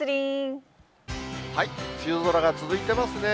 梅雨空が続いていますね。